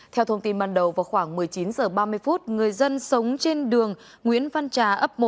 theo thông tin ban đầu vào khoảng một mươi chín h ba mươi người dân sống trên đường nguyễn văn trà ấp một